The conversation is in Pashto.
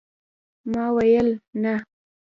ما ويل ، نه !